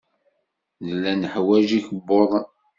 Nella neḥwaj ikebbuḍen.